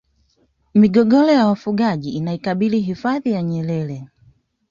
migogoro ya wafugaji inaikabili hifadhi ya nyerere